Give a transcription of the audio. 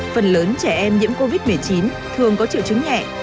phần lớn trẻ em nhiễm covid một mươi chín thường có triệu chứng nhẹ